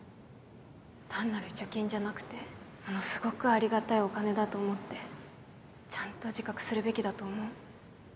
単なる貯金じゃなくてものすごくありがたいお金だと思ってちゃんと自覚するべきだと思う